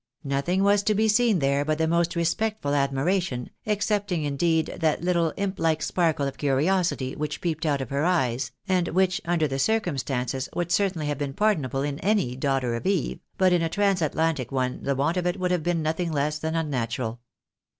Nothing was to be seen there but the most respectful admiration, excepting indeed that little imp hke sparkle of curiosity, which peeped out of her eyes, and which, under the cir cumstances, would certainly have been pardonable in any daughter of Eve, but in a transatlantic one the want of it would have been nothing less than unnatural.